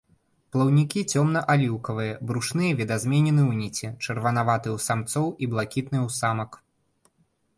Плаўнікі цёмна-аліўкавыя, брушныя відазменены ў ніці, чырванаватыя ў самцоў і блакітныя ў самак.